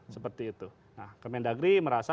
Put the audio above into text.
seperti itu nah kemendagri merasa